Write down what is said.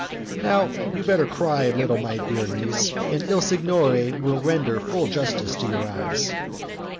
"Now you had better cry a little, my dear niece, and 'il signore' will render full justice to your eyes."